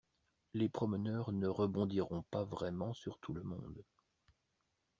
Les promeneurs ne rebondiront pas vraiment sur tout le monde.